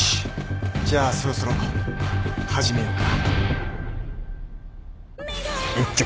じゃあそろそろ始めようか。